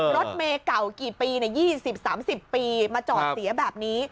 รถเมย์เก่ากี่ปียี่สิบสามสิบปีมาจอดเสียแบบนี้